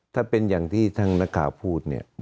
ถ้าเป็นอย่างที่ท่านนักข่าวพูดเนี่ย